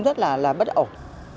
rất là bất ổn